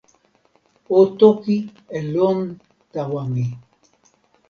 o toki e lon tawa mi.